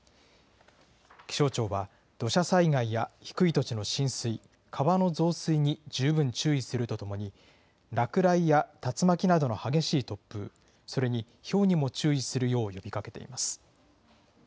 気象庁は、土砂災害や低い土地の浸水、川の増水に十分注意するとともに、落雷や竜巻などの激しい突風、それにひょうにも注意するよう呼びかけています。